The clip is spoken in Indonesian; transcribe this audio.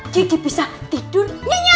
kiki bisa tidur nyenyak